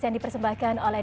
yang dipersembahkan oleh